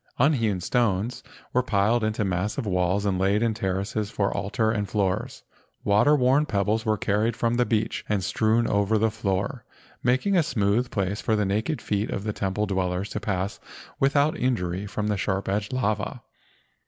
Unhewn stones were piled into massive walls and laid in terraces for altar and floors. Water worn pebbles were carried from the beach and strewn over the floor, making a smooth place for the naked feet of the temple dwellers to pass without injury from the sharp edged lava.